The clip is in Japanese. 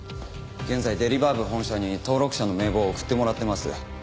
現在デリバー部本社に登録者の名簿を送ってもらってます。